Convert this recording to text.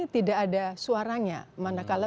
tidak ada suaranya manakala